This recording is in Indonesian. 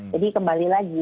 jadi kembali lagi